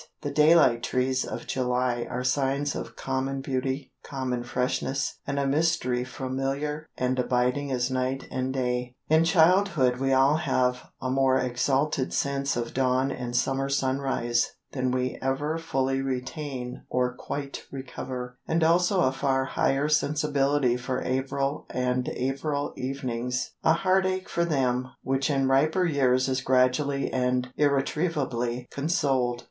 The daylight trees of July are signs of common beauty, common freshness, and a mystery familiar and abiding as night and day. In childhood we all have a more exalted sense of dawn and summer sunrise than we ever fully retain or quite recover; and also a far higher sensibility for April and April evenings a heartache for them, which in riper years is gradually and irretrievably consoled.